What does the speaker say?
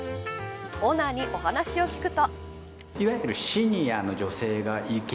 オーナーにお話を聞くと。